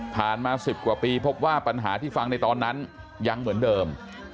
มา๑๐กว่าปีพบว่าปัญหาที่ฟังในตอนนั้นยังเหมือนเดิม